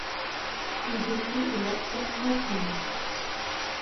Il décrit une action continue.